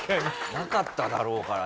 なかっただろうから。